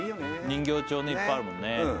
人形町ねいっぱいあるもんね